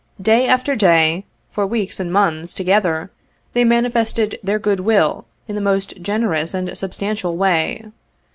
Day after day, for weeks and months together, they manifested their good will in the most gener ous and substantial way.